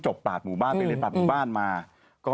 มันก็ดูอารมณ์ดีนะคะ